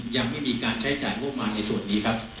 ยังไม่มีการใช้จ่ายงบประมาณในส่วนนี้ครับ